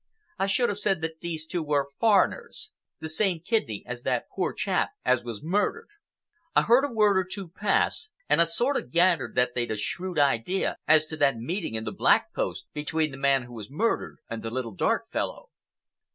I should have said that these two were foreigners, the same kidney as the poor chap as was murdered. I heard a word or two pass, and I sort of gathered that they'd a shrewd idea as to that meeting in the 'Black Post' between the man who was murdered and the little dark fellow."